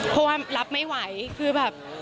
เพราะว่ารับไม่ไหวคือแบบ